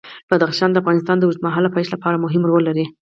بدخشان د افغانستان د اوږدمهاله پایښت لپاره مهم رول لري.